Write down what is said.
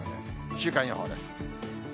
週間予報です。